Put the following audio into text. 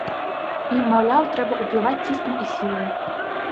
І, маўляў, трэба ўплываць ціскам і сілай.